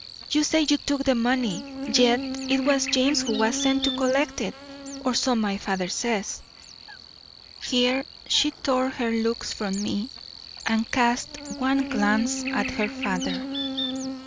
You say you took the money, yet it was James who was sent to collect it or so my father says." Here she tore her looks from me and cast one glance at her father.